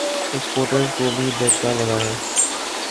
exporter ز کو بھی دھچکا لگا ہے